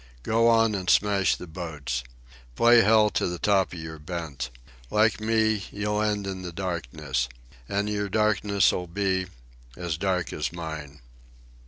Go on an' smash the boats. Play hell to the top of your bent. Like me, you'll end in the darkness. And your darkness'll be—as dark as mine."